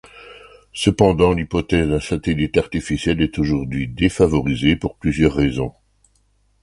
Cependant, l'hypothèse d'un satellite artificiel est aujourd'hui défavorisée pour plusieurs raisons.